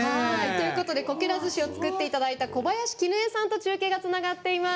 こけら寿司を作っていただいた小林キヌエさんと中継がつながっています。